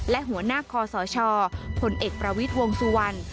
และหัวหน้าคอสชผลเอกประวิทย์วงสุวรรณ